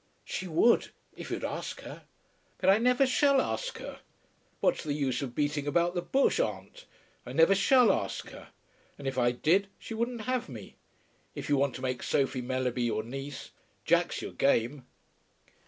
"She would if you'd ask her." "But I never shall ask her. What's the use of beating about the bush, aunt? I never shall ask her; and if I did, she wouldn't have me. If you want to make Sophie Mellerby your niece, Jack's your game."